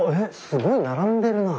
すごい並んでるな。